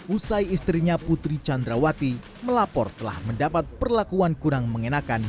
usai istrinya putri candrawati melapor telah mendapat perlakuan kurang mengenakan